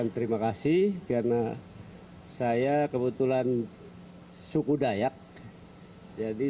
terima kasih karena saya kebetulan dipanggil pak presiden